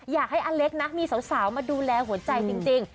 อยากให้อเล็กนะมีสาวมาดูแลหัวใจจริง